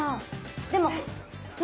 でもね？